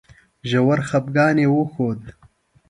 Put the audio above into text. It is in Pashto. ژور خپګان یې وښود.